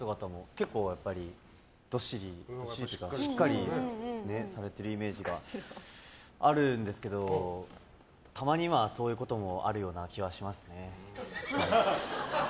結構、どっしりしっかりされてるイメージがあるんですけどたまにはそういうこともあるような気はしますね。